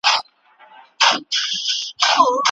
د ميرمني د فاميل احترام څه حکم لري؟